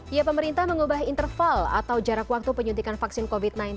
ya pemerintah mengubah interval atau jarak waktu penyuntikan vaksin covid sembilan belas